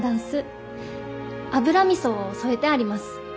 油みそを添えてあります。